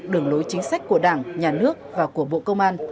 đường lối chính sách của đảng nhà nước và của bộ công an